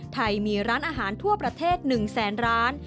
ไทยมีร้านอาหารทั่วประเทศ๑แสนร้าน